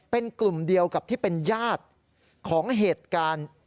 เป็นกลุ่มเดียวกับที่เป็นญาติของเหตุการณ์